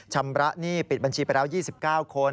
ชำระหนี้ปิดบัญชีไปแล้ว๒๙คน